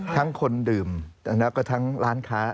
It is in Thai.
ทั้งคนดื่มและก็ทั้งร้านค้า